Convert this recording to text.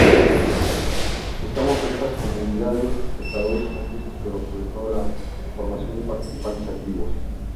Buscamos en esas comunidades espectadores-cómplices pero sobre todo, la formación de participantes activos.